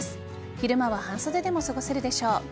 昼間は半袖でも過ごせるでしょう。